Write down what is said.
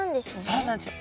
そうなんですよ。